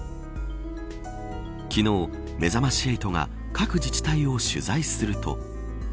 昨日、めざまし８が各自治体を取材すると。